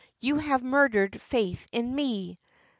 You have murdered faith in me.